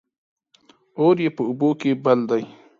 اور يې په اوبو کې بل دى